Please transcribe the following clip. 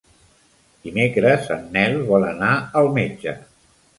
Dimecres en Nel vol anar al metge.